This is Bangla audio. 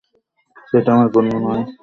সেটা আমার গুণ নয়, সেইটেই আমার মহদ্দোষ।